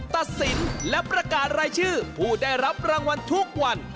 ตัดสินและประกาศรายชื่อผู้ได้รับรางวัลทุกวัน